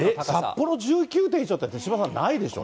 札幌１９．１度って、手嶋さん、ないでしょう。